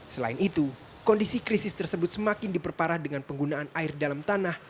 selain itu kondisi krisis tersebut semakin diperparah dengan penggunaan air dalam tanah